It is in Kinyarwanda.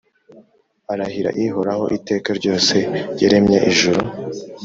arahira Ihoraho iteka ryose yaremye ijuru